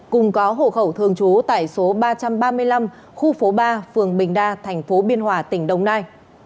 cùng có hộ khẩu thường trú tại số ba trăm ba mươi năm khu phố ba phường bình đa thành phố biên hòa tỉnh đồng nai